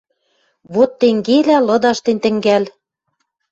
«Вот тенгелӓ лыдаш тӹнь тӹнгӓл: